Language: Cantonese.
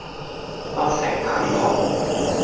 不成體統